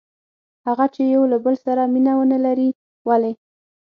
هغه چې یو له بل سره مینه ونه لري؟ ولې؟